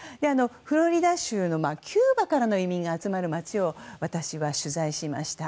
フロリダ州のキューバからの移民が集まる街を私は取材しました。